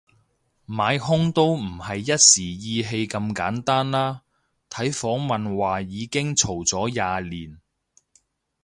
買兇都唔係一時意氣咁簡單啦，睇訪問話已經嘈咗廿年